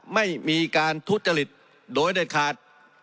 ไม่มีการทุจริตโดยเด็ดขาด